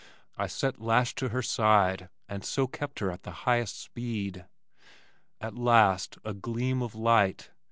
I set lash to her side and so kept her to her highest speed. At last a gleam of light!